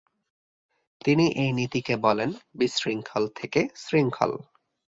তিনি এই নীতিকে বলেন "বিশৃঙ্খল থেকে শৃঙ্খল"।